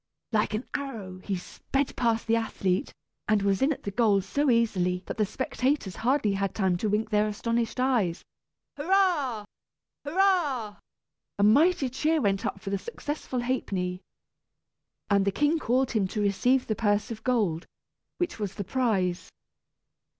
like an arrow he sped past the athlete, and was in at the goal so easily that the spectators hardly had time to wink their astonished eyes! Hurrah! hurrah! A mighty cheer went up for the successful Ha'penny, and the king called him to receive the purse of gold, which was the prize.